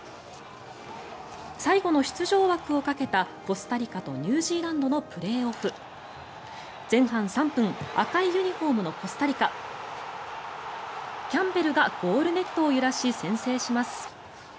最後の出場枠をかけたコスタリカとニュージーランドのプレーオフ。前半３分赤いユニホームのコスタリカキャンベルがゴールネットを揺らし先制します。